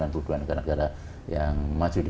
yang maju di bidang penerbangan indonesia